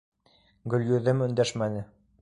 Гөлйөҙөм өндәшмәне.